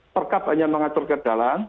perkab hanya mengatur ke dalam